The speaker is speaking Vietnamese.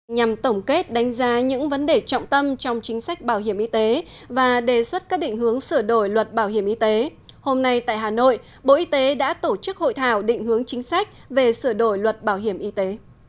nhằm tổng kết đánh giá những vấn đề trọng tâm trong chính sách bảo hiểm y tế và đề xuất các định hướng sửa đổi luật bảo hiểm y tế hôm nay tại hà nội bộ y tế đã tổ chức hội thảo định hướng chính sách về sửa đổi luật bảo hiểm y tế